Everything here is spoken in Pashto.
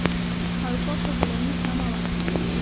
اروپا کې غلامي کمه وه.